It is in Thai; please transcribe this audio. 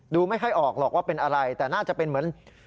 ดูไม่ค่อยออกหรอกว่าเป็นอะไรแต่น่าจะเป็นเหมือน